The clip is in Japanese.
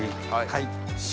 はい。